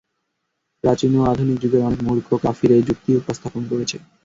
প্রাচীন ও আধুনিক যুগের অনেক মূর্খ কাফির এ যুক্তিই উপস্থাপন করেছে।